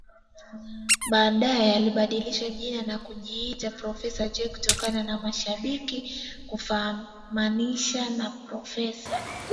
Baadae alibadilisha jina na kujiita profesa Jay kutokana na mashabiki kumfananisha na professa